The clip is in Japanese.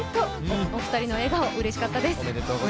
お二人の笑顔、うれしかったです。